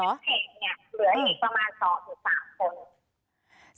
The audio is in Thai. แล้วมีที่ไม่ขึ้นเพจเนี่ยเหลืออีกประมาณสองสี่สามคน